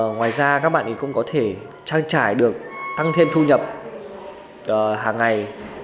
ngoài ra các bạn cũng có thể trang trải được tăng thêm thu nhập hàng ngày